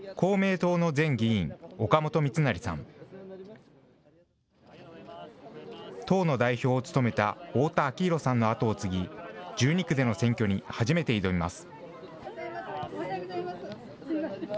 党の代表を務めた太田昭宏さんの後を継ぎ、１２区での選挙に初めて挑みます。